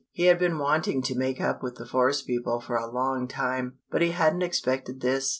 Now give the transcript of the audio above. He had been wanting to make up with the forest people for a long time, but he hadn't expected this.